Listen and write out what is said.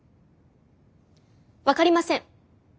分かりません。